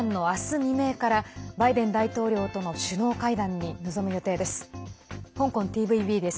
未明からバイデン大統領との首脳会談に臨む予定です。